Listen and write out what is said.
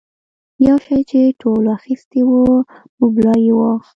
یو شی چې ټولو اخیستی و مملايي وه.